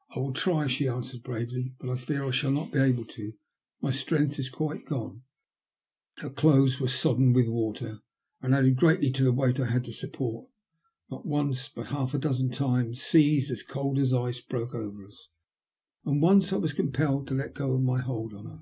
" I will try," she answered, bravely ;" but I fear I shall not be able to. My strength is quite gone." Her clothes were sodden with water, and added greatly to the weight I had to support. Not once, but half a dozen times, seas, cold as ice, broke over us; and once I was compelled to let go my hold of her.